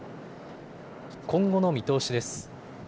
今後の見通しです。